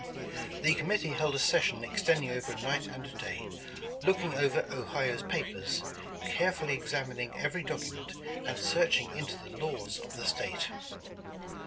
The committee held a session extending over a night and a day, looking over Ohio 's papers, carefully examin 234 War of 1812 ing every document, and searching into the laws of the State.